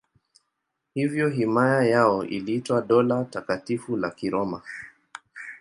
Hivyo himaya yao iliitwa Dola Takatifu la Kiroma.